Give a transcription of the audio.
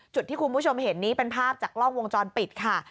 จุดที่คุณผู้ชมเห็นนี้เป็นภาพจากกล้องวงจรปิดค่ะ